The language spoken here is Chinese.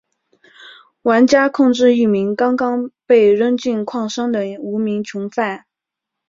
玩家控制一名刚刚被扔进矿山的无名囚犯。